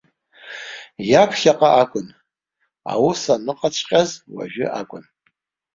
Иаԥхьаҟа акәын, аус аныҟаҵәҟьаз уажәы акәын.